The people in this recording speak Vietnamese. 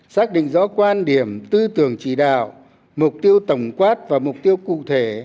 xác định rõ quan điểm tư tưởng chỉ đạo mục tiêu tổng quát và mục tiêu cụ thể